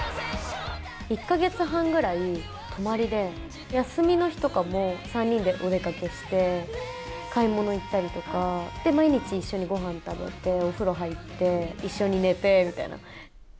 １か月半ぐらい泊まりで、休みの日とかも、３人でお出かけして、買い物行ったりとか、で、毎日一緒にごはん食べて、お風呂入って、一緒に寝てみたいな。